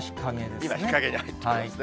今、日陰に入っていますね。